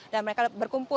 dan mereka berkumpul